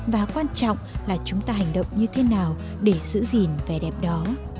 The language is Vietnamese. và quan trọng là chúng ta hành động như thế nào để giữ gìn vẻ đẹp đó